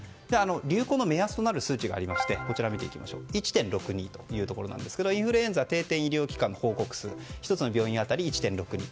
流行の目安となる数値がありまして１．６２というところなんですがインフルエンザ定点医療機関の報告数が１つの病院当たり１．６２人。